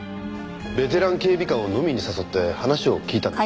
ベテラン警備官を飲みに誘って話を聞いたんです。